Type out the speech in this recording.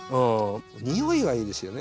匂いがいいですよね